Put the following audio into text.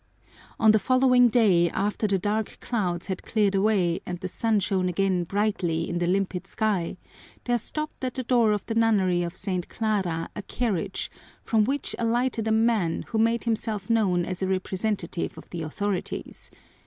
On the following day, after the dark clouds had cleared away and the sun shone again brightly in the limpid sky, there stopped at the door of the nunnery of St. Clara a carriage, from which alighted a man who made himself known as a representative of the authorities.